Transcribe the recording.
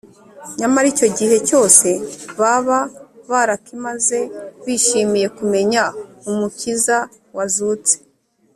nyamara icyo gihe cyose baba barakimaze bishimiye kumenya umukiza wazutse